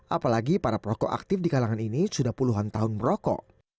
apalagi para perokok aktif di kalangan ini sudah puluhan tahun merokok